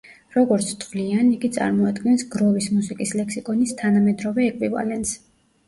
როგორც თვლიან, იგი წარმოადგენს „გროვის მუსიკის ლექსიკონის თანამედროვე ეკვივალენტს“.